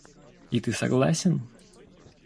И ты согласен?